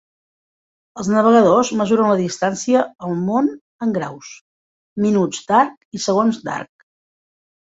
Els navegadors mesuren la distància al món en graus, minuts d'arc i segons d'arc.